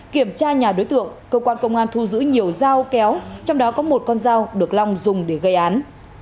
kiểm tra nhà đối tượng cơ quan công an thu giữ nhiều dao kéo trong đó có một con dao được long dùng để gây án